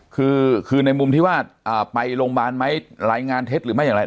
คือคือในมุมที่ว่าไปโรงพยาบาลไหมรายงานเท็จหรือไม่อย่างไร